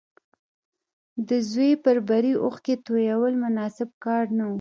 د زوی پر بري اوښکې تويول مناسب کار نه و